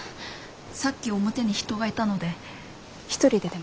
さっき表に人がいたので１人で出ます。